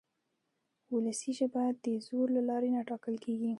وولسي ژبه د زور له لارې نه ټاکل کېږي.